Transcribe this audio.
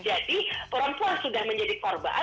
jadi perempuan itu tidak bisa dihormati